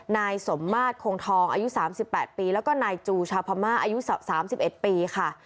นายสมมาตรคงทองอายุ๓๘ปีแล้วก็นายจูชาวพม่าอายุ๓๑ปีค่ะ